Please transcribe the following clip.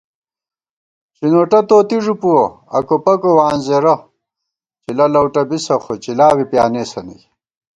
شِنوٹہ توتی ݫُپُوَہ، اکو پکو وانزېرہ * چِلہ لؤٹہ بِسہ، خو چِلا بی پیانېسہ نئ